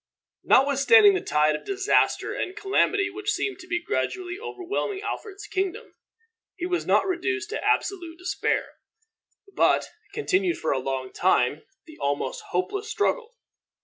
Notwithstanding the tide of disaster and calamity which seemed to be gradually overwhelming Alfred's kingdom, he was not reduced to absolute despair, but continued for a long time the almost hopeless struggle.